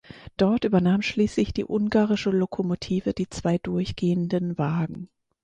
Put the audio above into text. Dort übernahm schließlich die ungarische Lokomotive die zwei durchgehenden Wagen.